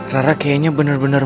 rara kayaknya bener bener